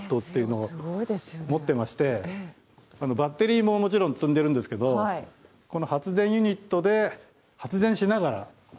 バッテリーももちろん積んでるんですけどこの発電ユニットで。